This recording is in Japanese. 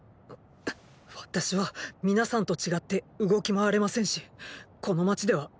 私は皆さんと違って動き回れませんしこの街では何も！